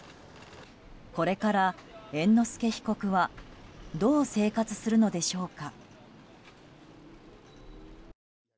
これから猿之助被告はどう生活するのでしょうか。